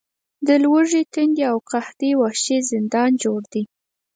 د لوږې، تندې او قحطۍ وحشي زندان جوړ دی.